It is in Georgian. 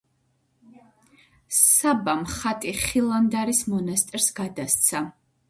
საბამ ხატი ხილანდარის მონასტერს გადასცა.